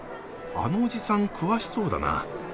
あのおじさん詳しそうだな。